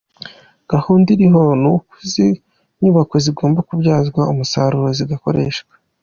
Gahunda iriho ni uko izi nyubako zigomba kubyazwa umusaruro zigakoreshwa”.